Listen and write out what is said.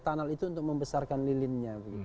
tunnel itu untuk membesarkan lilinnya